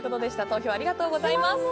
投票、ありがとうございます。